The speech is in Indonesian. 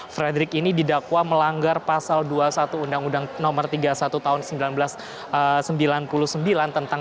frederick ini didakwa melanggar pasal dua puluh satu undang undang nomor tiga puluh satu tahun seribu sembilan ratus sembilan puluh sembilan tentang